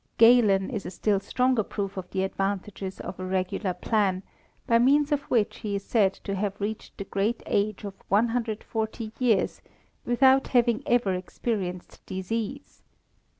Galen is a still stronger proof of the advantages of a regular plan, by means of which he is said to have reached the great age of 140 years, without having ever experienced disease.